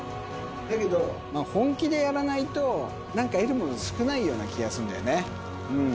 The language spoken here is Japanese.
だけど、本気でやらないと、なんか得るものが少ないような気がするんだよね。